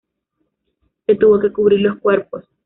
Se tuvo que cubrir los cuerpos.